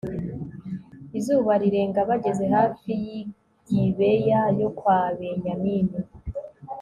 izuba rirenga bageze hafi y'i gibeya yo kwa benyamini